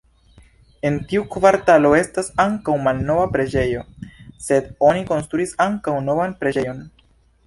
En tiu kvartalo estas ankaŭ malnova preĝejo, sed oni konstruis ankaŭ novan preĝejon.